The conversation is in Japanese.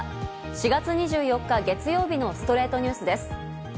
４月２４日、月曜日の『ストレイトニュース』です。